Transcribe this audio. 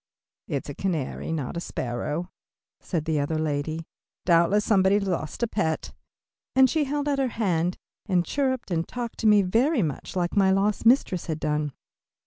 "It's a canary, not a sparrow," said the other lady, "doubtless, somebody's lost pet," and she held out her hand, and chirped and talked to me very much like my lost mistress had done.